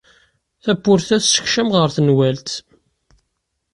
Tawwurt-a tessekcam ɣer tenwalt.